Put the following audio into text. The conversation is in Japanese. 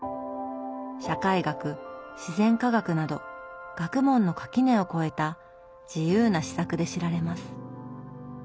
社会学自然科学など学問の垣根を超えた自由な思索で知られます。